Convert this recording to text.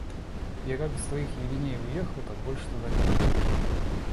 Я как из своих ебеней уехал, так больше туда ни ногой!